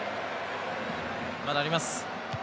まだあります。